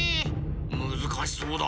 むずかしそうだ。